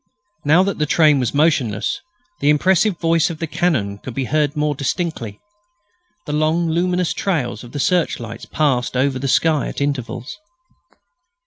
Now that the train was motionless the impressive voice of the cannon could be heard more distinctly. The long luminous trails of the search lights passed over the sky at intervals.